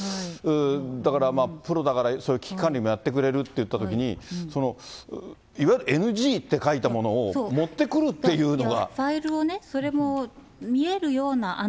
だからまあ、プロだからそういう危機管理もやってくれるっていったときに、いわゆるＮＧって書いたものを持ってくるっていうのは。